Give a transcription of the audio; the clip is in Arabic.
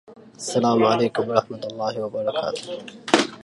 أريد العيش في قرية.